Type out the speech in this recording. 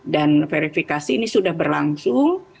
dan verifikasi ini sudah berlangsung